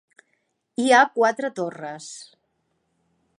Hi ha quatre torres.